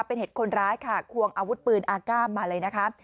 เป็นเหตุคนร้ายค่ะควงอาวุธปืนอาก้ามมาเลยนะคะ